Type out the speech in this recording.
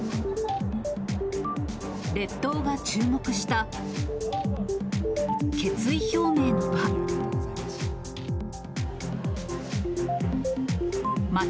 列島が注目した決意表明の場。